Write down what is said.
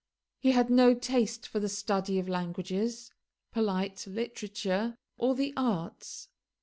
He had no taste for the study of languages, polite literature, or the arts.